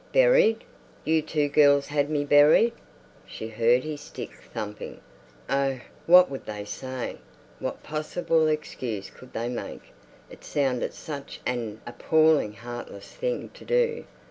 "Buried. You two girls had me buried!" She heard his stick thumping. Oh, what would they say? What possible excuse could they make? It sounded such an appallingly heartless thing to do.